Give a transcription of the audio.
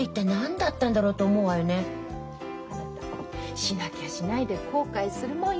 しなきゃしないで後悔するもんよ